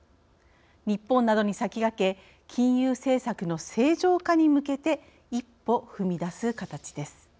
日本などに先駆け金融政策の正常化に向けて一歩踏み出す形です。